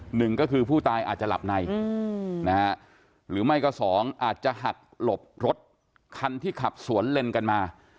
หนึ่งก็คือผู้ตายอาจจะหลับในนะฮะหรือไม่ก็สองอาจจะหักหลบรถคันที่ขับสวนเลนกันมา